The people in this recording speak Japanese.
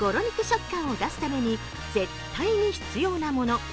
肉食感を出すために絶対に必要なもの